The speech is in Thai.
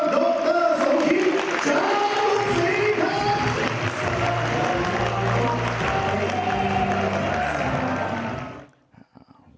ต้องรับโดรเตอร์สมคิตจาตุศรีพักษ์